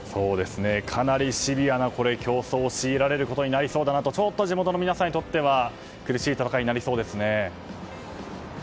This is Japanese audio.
かなりシビアな競争を強いられることになりそうだなとちょっと地元の皆さんにとっては苦しい戦いになりそうですね。